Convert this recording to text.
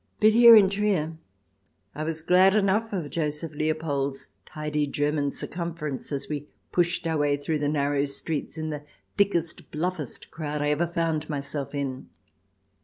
But here in Trier I was glad enough of Joseph Leopold's tidy German circumference as we pushed our way through the narrow streets in the thickest, the bluffest crowd I ever found myself in.